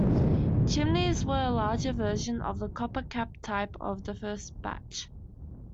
Chimneys were a larger version of the copper-capped type of the first batch.